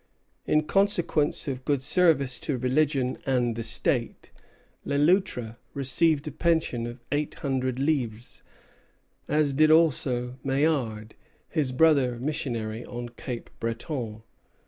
In consequence of "good service to religion and the state," Le Loutre received a pension of eight hundred livres, as did also Maillard, his brother missionary on Cape Breton.